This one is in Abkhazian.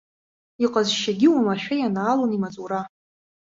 Иҟазшьагьы уамашәа ианаалон имаҵура.